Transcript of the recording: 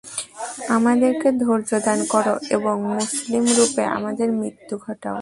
আমাদেরকে ধৈর্যদান কর এবং মুসলিমরূপে আমাদের মৃত্যু ঘটাও!